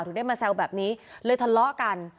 ได้มาแซวแบบนี้เลยทะเลาะกัน